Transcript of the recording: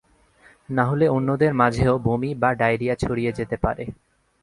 নাহলে অন্যদের মাঝেও বমি বা ডায়রিয়া ছড়িয়ে যেতে পারে।